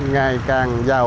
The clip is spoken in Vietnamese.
ngày càng giàu